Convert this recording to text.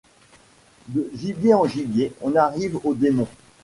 De gibier en gibier, on arrive au démon.